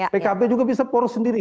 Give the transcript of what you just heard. pkb juga bisa poros sendiri